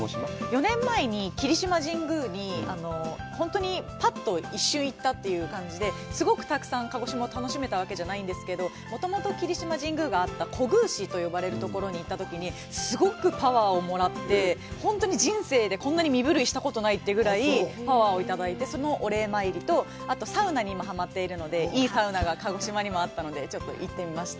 ４年前に霧島神宮に本当にぱっと一瞬行ったという感じで、すごくたくさん鹿児島を楽しめたわけじゃないんですけど、もともと霧島神宮があった古宮址と呼ばれるところに行ったときにすごくパワーをもらって、本当にこんなに身震いしたことないというぐらいパワーをいただいて、そのお礼参りと、サウナに今、はまっているので、いいサウナが鹿児島にもあったのでちょっと行ってみました。